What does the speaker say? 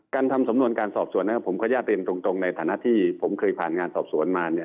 การทำสำนวนการสอบสวนผมขยะเรียนตรงในฐานะที่ผมเคยผ่านงานสอบสวนมา